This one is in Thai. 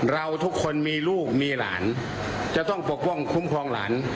เราทุกคนมีลูกมีหลานจะต้องปกป้องคุ้มครองหลาน